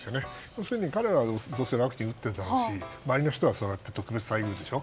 要するに彼はどうせワクチン打っているだろうし周りの人は特別待遇でしょ。